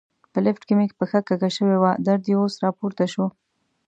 په لفټ کې مې پښه کږه شوې وه، درد یې اوس را پورته شو.